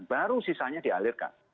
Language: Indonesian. baru sisanya dialirkan